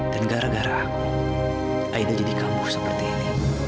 dan gara gara aku aida jadi kampuh seperti ini